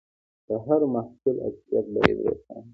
د هر محصول اصليت باید روښانه وي.